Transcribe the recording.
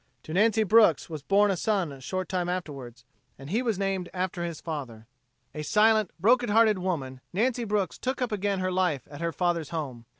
To Nancy Brooks was born a son a short time afterward, and he was named after his father. A silent, broken hearted woman, Nancy Brooks took up again her life at her father's home.